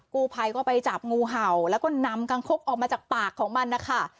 กู้ภัยก็ไปจับงูเห่าแล้วก็นำกางคกออกมาจากปากของมันนะคะ